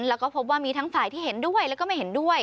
แล้วก็พบว่ามีทั้งฝ่ายที่เห็นด้วยแล้วก็ไม่เห็นด้วย